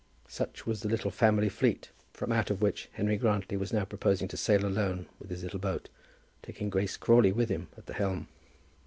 Such was the little family fleet from out of which Henry Grantly was now proposing to sail alone with his little boat, taking Grace Crawley with him at the helm.